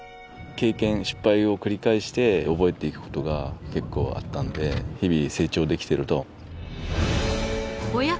経験失敗を繰り返して覚えていく事が結構あったので日々成長できているとは。